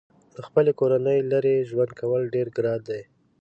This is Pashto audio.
له خپلې کورنۍ لرې ژوند کول ډېر ګران دي.